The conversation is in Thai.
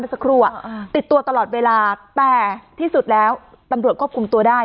สักครู่ติดตัวตลอดเวลาแต่ที่สุดแล้วตำรวจควบคุมตัวได้